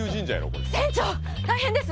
これ船長大変です！